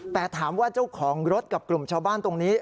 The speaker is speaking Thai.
แต่ถามว่าเจ้าของรถกับกลุ่มชาวบ้านตรงนี้